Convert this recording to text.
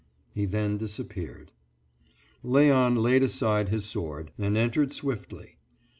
He then disappeared. Léon laid aside his sword, and entered swiftly.